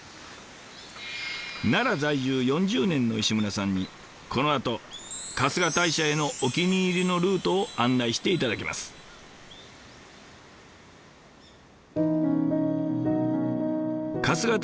奈良在住４０年の石村さんにこのあと春日大社へのお気に入りのルートを案内して頂きます。